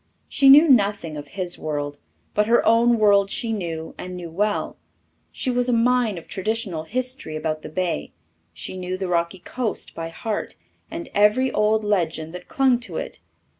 She knew nothing of his world, but her own world she knew and knew well. She was a mine of traditional history about the bay. She knew the rocky coast by heart, and every old legend that clung to it.